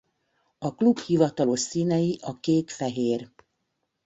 A klub hivatalos színei a kék-fehér.